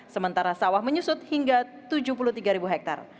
sementara sawah menyusut hingga tujuh puluh tiga hektare